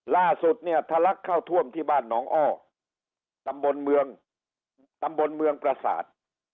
ล่าสุดเนี่ยทะลักเข้าท่วมที่บ้านหนองอ้อตำบลเมืองตำบลเมืองประสาท